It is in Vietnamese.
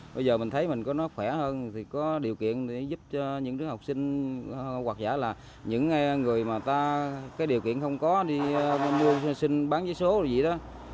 bây giờ mình thấy mình có nó khỏe hơn thì có điều kiện để giúp cho những đứa học sinh hoặc giả là những người mà ta cái điều kiện không có đi mua sinh bán vé số gì đó